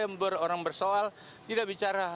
yang berorang bersoal tidak bicara